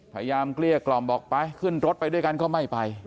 เกลี้ยกล่อมบอกไปขึ้นรถไปด้วยกันก็ไม่ไป